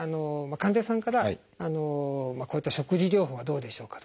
患者さんからこういった食事療法はどうでしょうかとかですね